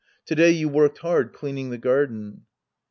To day you worked hard cleaning the garden.